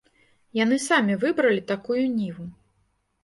Яны самі выбралі такую ніву.